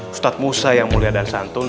ustadz musa yang mulia dan santun